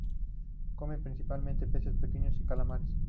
Come principalmente peces pequeños y calamares.